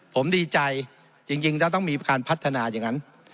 ผมดีใจจริงแล้วต้องมีการพัฒนาอย่างนั้น